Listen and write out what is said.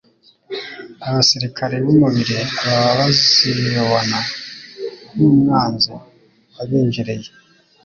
abasirikare b'umubiri baba bazibona nk'umwanzi wabinjiriye,